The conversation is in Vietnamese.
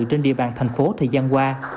trên địa bàn thành phố thời gian qua